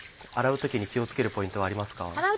洗う時に気を付けるポイントはありますか？